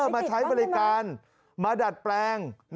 มาใช้บริการมาดัดแปลง